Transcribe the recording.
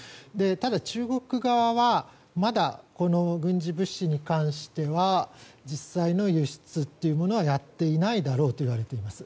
ただ、中国側はまだ軍事物資に関しては実際の輸出というものはやっていないだろうといわれています。